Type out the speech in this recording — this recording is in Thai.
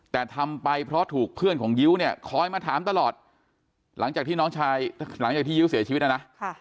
แต่ทำไปเพราะถูกเพื่อนของยิ้วเนี่ยคอยมาถามตลอดหลังจากที่น้องชายหลังจากที่ยิ้วเสียชีวิตนะนะ